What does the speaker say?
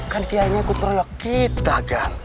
kan dia yang ikut keroyok kita gan